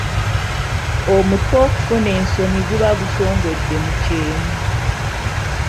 Omutwe okufuna ensomi guba gusongodde mu kyennyi.